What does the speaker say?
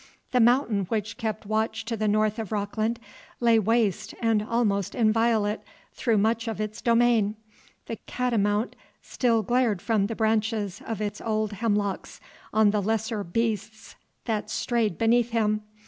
The Mountain which kept watch to the north of Rockland lay waste and almost inviolate through much of its domain. The catamount still glared from the branches of its old hemlocks on the lesser beasts that strayed beneath him.